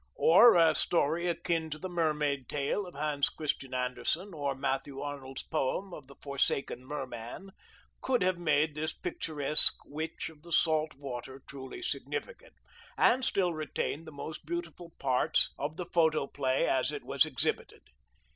Or a story akin to the mermaid tale of Hans Christian Andersen, or Matthew Arnold's poem of the forsaken merman, could have made this picturesque witch of the salt water truly significant, and still retained the most beautiful parts of the photoplay as it was exhibited.